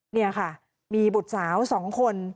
นี่ค่ะมีบุตรสาว๒คน